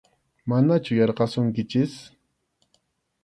Manachu yarqasunkichik.